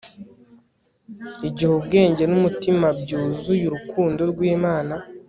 igihe ubwenge n'umutima byuzuy eurukundo rw'imana